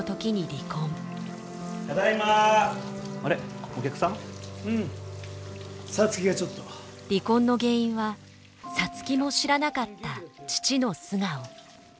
離婚の原因は皐月も知らなかった父の素顔。